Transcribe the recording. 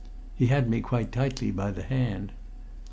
He had me quite tightly by the hand.